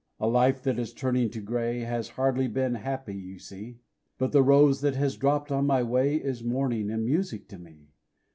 A life that is turning to grey Has hardly been happy, you see; But the rose that has dropped on my way Is morning and music to me.